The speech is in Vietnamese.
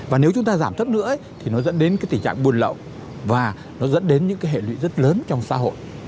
và nếu chúng ta giảm thấp nữa thì nó dẫn đến cái tình trạng buôn lậu và nó dẫn đến những cái hệ lụy rất lớn trong xã hội